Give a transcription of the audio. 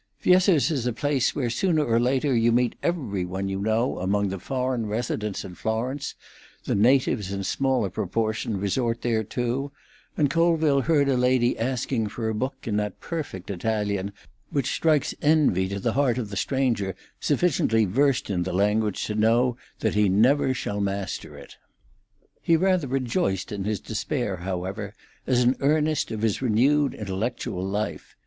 Viesseux's is a place where sooner or later you meet every one you know among the foreign residents at Florence; the natives in smaller proportion resort there too; and Colville heard a lady asking for a book in that perfect Italian which strikes envy to the heart of the stranger sufficiently versed in the language to know that he never shall master it. He rather rejoiced in his despair, however, as an earnest of his renewed intellectual life.